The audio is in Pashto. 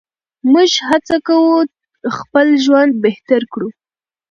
موږ هڅه کوو خپل ژوند بهتر کړو.